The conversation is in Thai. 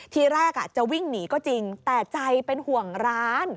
ทีแรกจะวิ่งหนีก็จริงแต่ใจเป็นห่วงร้าน